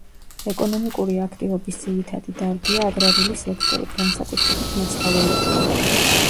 ეკონომიკური აქტივობის ძირითადი დარგია აგრარული სექტორი, განსაკუთრებით მეცხოველეობა.